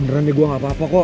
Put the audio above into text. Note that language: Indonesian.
beneran nih gue gak apa apa kok